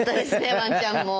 ワンちゃんも。